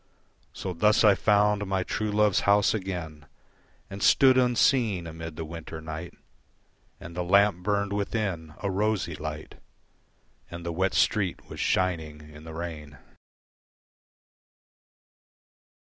So thus I found my true love's house again And stood unseen amid the winter night And the lamp burned within, a rosy light, And the wet street was shining in the rain.